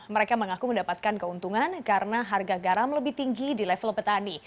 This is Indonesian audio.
mereka mengaku mendapatkan keuntungan karena harga garam lebih tinggi di level petani